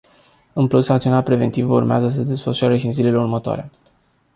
În plus, acțiunea preventivă urmează să se desfășoare și în zilele următoare.